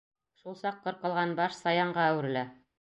Шул саҡ ҡырҡылған баш саянға әүерелә.